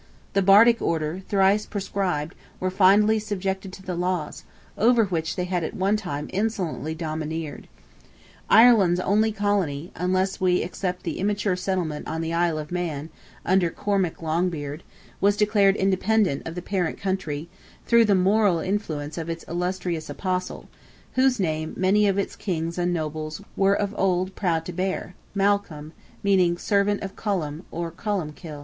The Bardic Order, thrice proscribed, were finally subjected to the laws, over which they had at one time insolently domineered. Ireland's only colony—unless we except the immature settlement in the Isle of Man, under Cormac Longbeard—was declared independent of the parent country, through the moral influence of its illustrious Apostle, whose name many of its kings and nobles were of old proud to bear—Mal Colm, meaning "servant of Columb," or Columbkill.